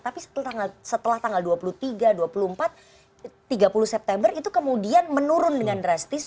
tapi setelah tanggal dua puluh tiga dua puluh empat tiga puluh september itu kemudian menurun dengan drastis